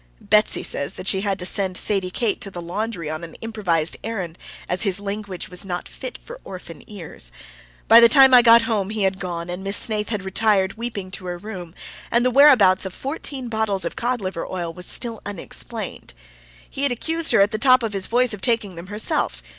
Betsy says that she had to send Sadie Kate to the laundry on an improvised errand, as his language was not fit for orphan ears. By the time I got home he had gone, and Miss Snaith had retired, weeping, to her room, and the whereabouts of fourteen bottles of cod liver oil was still unexplained. He had accused her at the top of his voice of taking them herself.